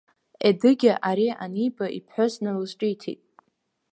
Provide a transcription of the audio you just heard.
Едыгьа ари аниба, иԥҳәыс налызҿиҭит…